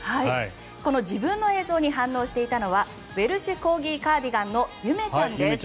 自分の映像に反応していたのはウェルシュ・コーギー・カーディガンのゆめちゃんです。